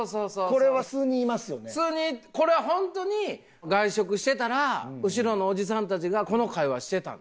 これはホントに外食してたら後ろのおじさんたちがこの会話してた。